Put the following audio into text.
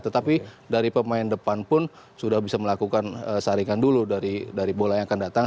tetapi dari pemain depan pun sudah bisa melakukan saringan dulu dari bola yang akan datang